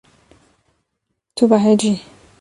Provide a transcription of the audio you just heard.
Tu behecî.